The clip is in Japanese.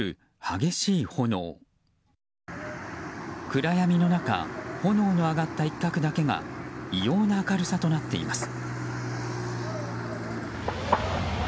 暗闇の中炎の上がった一角だけが異様な明るさとなっています。